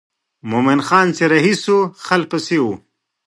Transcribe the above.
مومن خان چې رهي شو خلک یې پسې وو.